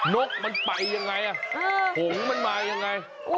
นกมันไปยังไงผงมันมายังไง